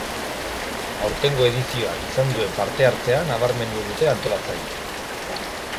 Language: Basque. Aurtengo edizioak izan duen parte-hartzea nabarmendu dute antolatzaileek.